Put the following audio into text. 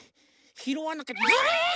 ひろわなきゃずるっと！